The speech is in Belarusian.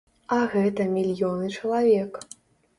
А гэта мільёны чалавек.